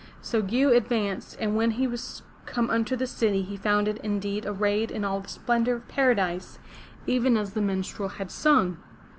So Gew advanced, and when he was come unto the city he found it indeed arrayed in all the splendor of paradise, even as the minstrel had sung.